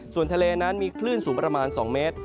ส่วนทะเลนั้นมีคลื่นสูงประมาณ๒เมตร